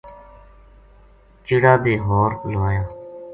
چِڑا بے ہور لوایا